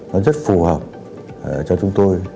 nó rất phù hợp cho chúng tôi